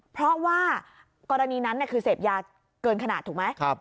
เพราะว่ากรณีนั้นคือเสพยาเกินขนาดถูกไหม